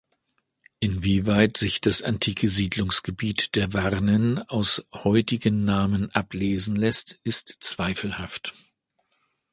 Inwieweit sich das antike Siedlungsgebiet der Warnen aus heutigen Namen ablesen lässt, ist zweifelhaft.